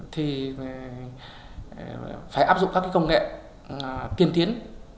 thì phải áp dụng các công nghệ tiền tiến